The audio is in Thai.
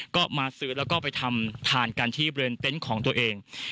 ก็มาซื้อแล้วก็ไปทำทานกันที่บริเวณเต็นต์ของตัวเอง